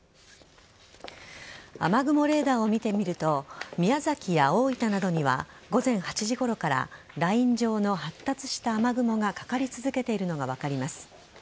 雨雲レーダーを見てみると宮崎や大分などには午前８時ごろからライン状の発達した雨雲がかかり続けているのが分かります。